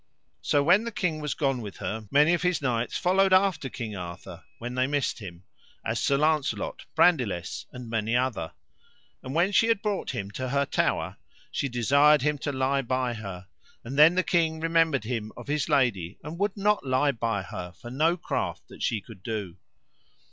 So when the king was gone with her many of his knights followed after King Arthur when they missed him, as Sir Launcelot, Brandiles, and many other; and when she had brought him to her tower she desired him to lie by her; and then the king remembered him of his lady, and would not lie by her for no craft that she could do.